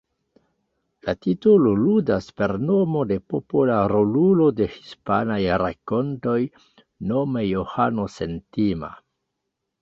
La titolo ludas per nomo de popola rolulo de hispanaj rakontoj, nome Johano Sentima.